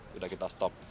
sudah kita stop